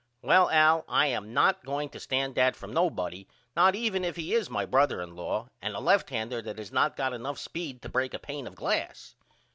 Well Al I am not going to stand that from nobody not even if he is my brother in law and a lefthander that has not got enough speed to brake a pain of glass.